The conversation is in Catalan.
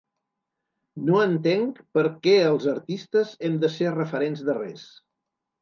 No entenc per què els artistes hem de ser referents de res.